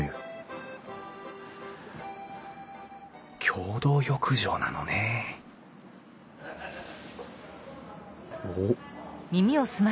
共同浴場なのね・おっ。